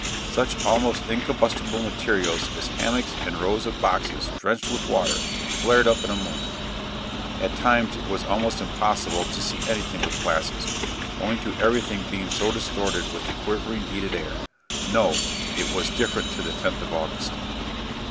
Such almost incombustible materials as hammocks and rows of boxes, drenched with water, flared up in a moment. At times it was almost impossible to see anything with glasses, owing to everything being so distorted with the quivering, heated air. No! It was different to the 10th of August!"